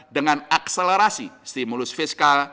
dengan akselerasi stimulus fiskal